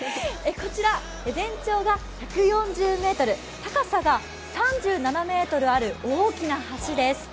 こちらは全長が１４０ｍ、高さが３７ｍある大きな橋です。